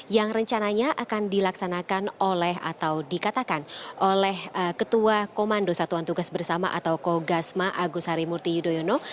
yang rencananya akan dilaksanakan oleh atau dikatakan oleh ketua komando satuan tugas bersama atau kogasma agus harimurti yudhoyono